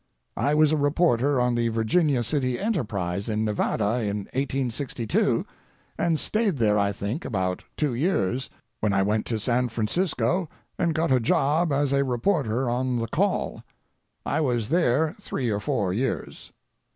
I was a reporter on the Virginia City Enterprise in Nevada in 1862, and stayed there, I think, about two years, when I went to San Francisco and got a job as a reporter on The Call. I was there three or four years.